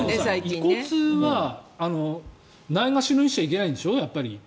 遺骨はないがしろにしちゃいけないんでしょやっぱり。